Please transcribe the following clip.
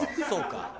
そうか。